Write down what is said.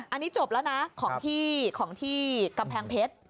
อันนี้จบแล้วนะของที่กระแพงเพชร